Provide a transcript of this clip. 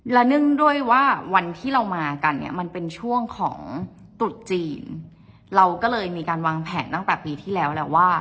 และเนื่องด้วยว่าวันที่เรามากันเนี่ยมันเป็นช่วงของตรุษจีนเราก็เลยมีการวางแผนตั้งแต่ปีที่แล้วแหละว่า